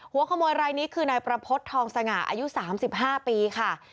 หัวขโมยรายนี้คือนายประพฤติทองสง่าอายุ๓๕ปีค่ะ